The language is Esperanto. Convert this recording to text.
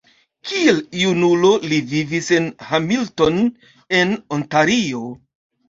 Kiel junulo li vivis en Hamilton en Ontario.